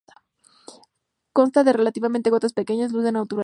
Consta de relativamente gotas pequeñas, luz en naturaleza.